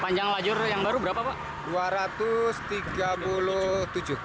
panjang lajur yang baru berapa pak